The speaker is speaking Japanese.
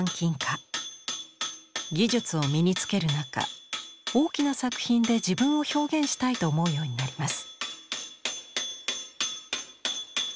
技術を身につける中大きな作品で自分を表現したいと思うようになります。